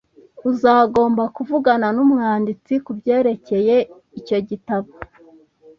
Uzagomba kuvugana numwanditsi kubyerekeye icyo gitabo